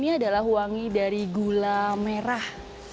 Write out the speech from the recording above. ini adalah wangi dari gula merah